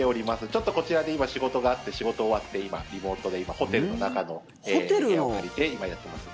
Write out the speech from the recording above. ちょっとこちらで仕事があって仕事が終わってリモートで今ホテルの中の部屋を借りてやっています。